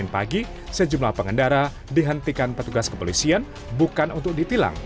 pagi sejumlah pengendara dihentikan petugas kepolisian bukan untuk ditilang